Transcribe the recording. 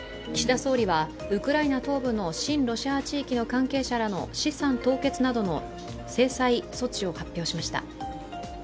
岸田総理はウクライナ東部の親ロシア派地域の関係者らの資産凍結などの制裁措置を発表しました。